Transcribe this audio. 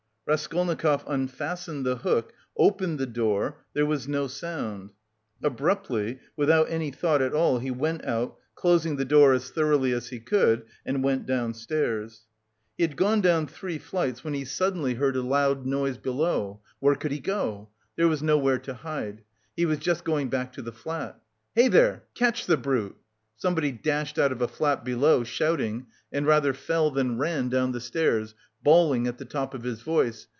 Raskolnikov unfastened the hook, opened the door there was no sound. Abruptly, without any thought at all, he went out, closing the door as thoroughly as he could, and went downstairs. He had gone down three flights when he suddenly heard a loud voice below where could he go! There was nowhere to hide. He was just going back to the flat. "Hey there! Catch the brute!" Somebody dashed out of a flat below, shouting, and rather fell than ran down the stairs, bawling at the top of his voice.